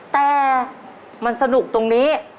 แต่มันสนุกตรงนี้